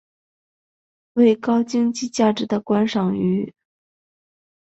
为高经济价值的观赏鱼。